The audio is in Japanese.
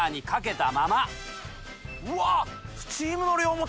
うわっ！